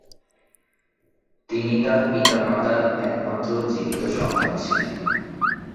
তিনি তার পিতামাতা একমাত্র জীবিত সন্তান ছিলেন।